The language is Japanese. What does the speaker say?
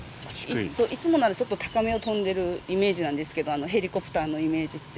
いつもならちょっと高めを飛んでるイメージなんですけど、ヘリコプターのイメージって。